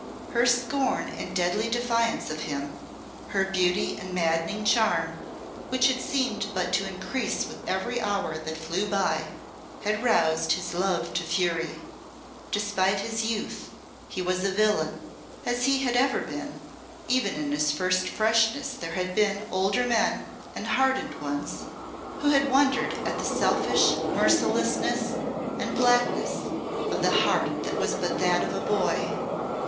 Her scorn and deadly defiance of him, her beauty and maddening charm, which seemed but to increase with every hour that flew by, had roused his love to fury. Despite his youth, he was a villain, as he had ever been; even in his first freshness there had been older men and hardened ones who had wondered at the selfish mercilessness and blackness of the heart that was but that of a boy.